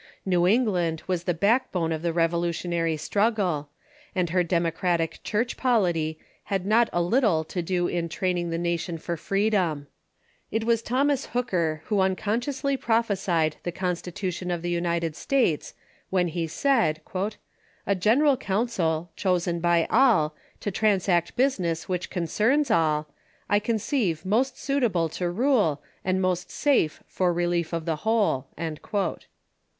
New England was the back bone of the Revolutionary struggle, and her democratic Church polity had not a little to do in training the nation for freedom. It was Thomas Hooker who unconsciously prophesied the Con stitution of the United States when he said, "A general coun cil, chosen by all, to transact business which concerns all, I conceive most suitable to rule, and most safe for relief of the whole."